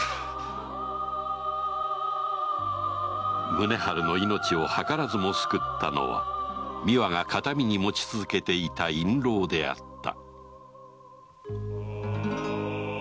宗春の命をはからずも救ったのは美和が形見に持ち続けていた印籠であった